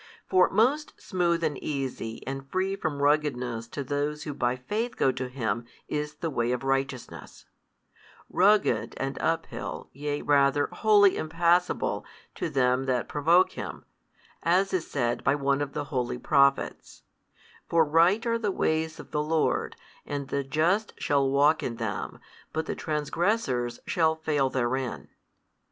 For most smooth and easy and free from ruggedness to those who by faith go to Him is the way of righteousness; rugged and up hill, yea rather, wholly impassable to them that provoke Him, as is said by one of the holy Prophets, For right are the ways of the Lord, and the just shall walk in them, but the transgressors shall fail therein.